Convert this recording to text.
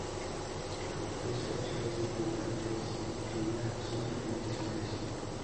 Las tres fachadas de piedra de sillería, son diferentes entre sí.